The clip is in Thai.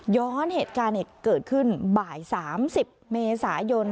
ย้อนเหตุการณ์เกิดขึ้นบ่าย๓๐เมษายน